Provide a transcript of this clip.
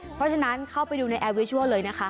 เพราะฉะนั้นเข้าไปดูในแอร์วิชัวร์เลยนะคะ